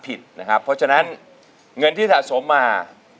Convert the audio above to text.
นะครับเพราะฉะนั้นเงินที่สะสมมา